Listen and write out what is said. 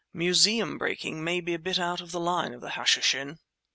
Museum breaking may be a bit out of the line of Hashishin!"